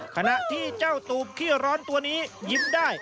ขณะที่เจ้าตูบขี้ร้อนตัวนี้ยิ้มได้